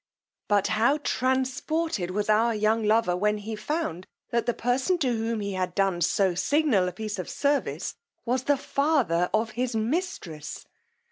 But how transported was our young lover when, he found that the person to whom he had done so signal a piece of service, was the father of his mistress.